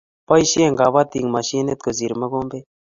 Boisie kabotik mashinit kosir mokombet,